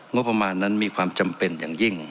งบประมาณนั้นมีความจำเป็นอย่างยิ่ง